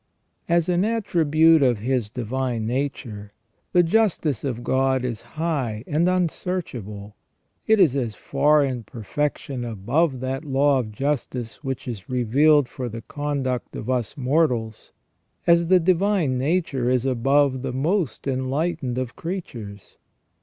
As an attribute of His divine nature, the justice of God is high and unsearchable. It is as far in perfection above that law of justice which is revealed for the conduct of us mortals as the divine nature is above the most enlightened of creatures.